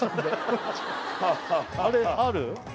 あれある？